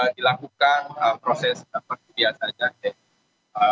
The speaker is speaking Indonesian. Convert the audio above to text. dilakukan proses seperti biasa saja